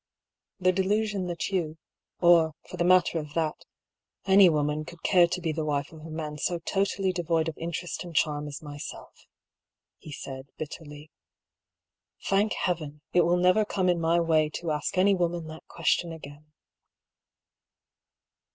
" The delusion that you, or, for the matter of that, any woman, could care to be the wife of a man so totally devoid of interest and charm as myself," he said, bitterly. " Thank heaven ! it will never come in my way to ask any woman that question again."